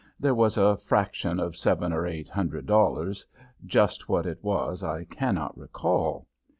There was a fraction of seven or eight hundred dollars just what it was I cannot recall.